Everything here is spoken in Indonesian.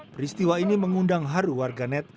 peristiwa ini mengundang haru warga net